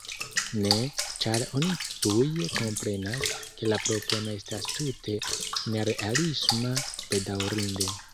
Ne, ĉar oni tuj komprenas, ke la propono estas tute nerealisma - bedaŭrinde.